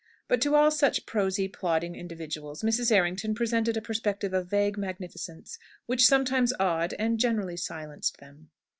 But to all such prosy, plodding individuals, Mrs. Errington presented a perspective of vague magnificence, which sometimes awed and generally silenced them.